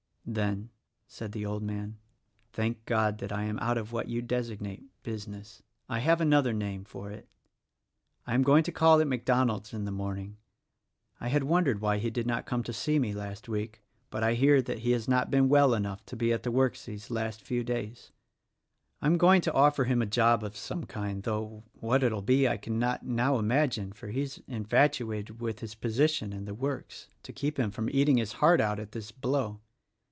"Then," said the old man, "thank God that I am out of what you designate Business. I have another name for it. I am going to call at MacDonald's in the morning. I had wondered why he did not come to see me last week, but I hear that he has not been well enough to be at the works these last few days. I am going to offer him a job of some kind (though what it will be I cannot now imag ine, for he is infatuated with his position and the works) to keep him from eating his heart out at this blow.